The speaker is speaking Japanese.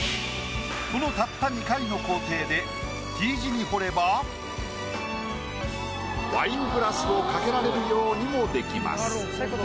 このたった２回の工程でＴ字に彫ればワイングラスをかけられるようにもできます。